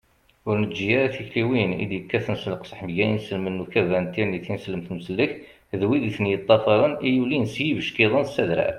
ur neǧǧi ara tikliwin i d-yekkaten s leqseḥ mgal inselmen n ukabar n tirni tineslemt n usellek d wid i ten-yeṭṭafaṛen i yulin s yibeckiḍen s adrar